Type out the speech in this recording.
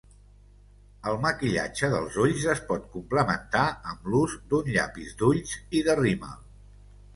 El maquillatge dels ulls es pot complementar amb l'ús d'un llapis d'ulls i de rímel.